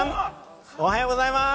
おはようございます！